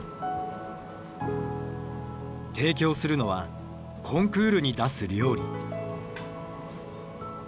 提供するのはコンクールに出す料理。